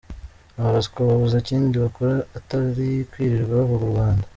Aba baswa babuze ikindi bakora atari kwirirwa bavuga u Rwanda.